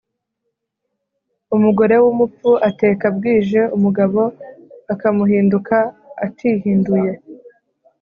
Umugore w’umupfu ateka bwije, umugabo akamuhinduka atihinduye.